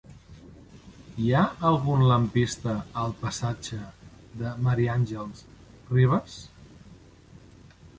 Hi ha algun lampista al passatge de Ma. Àngels Rivas?